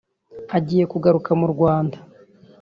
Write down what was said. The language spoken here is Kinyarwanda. Agiye kugaruka mu Rwanda